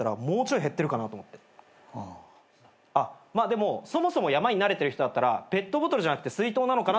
でもそもそも山に慣れてる人だったらペットボトルじゃなくて水筒なのかなと。